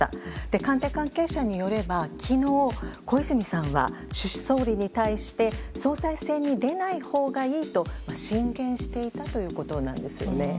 官邸関係者によれば、きのう、小泉さんは総理に対して、総裁選に出ないほうがいいと進言していたということなんですよね。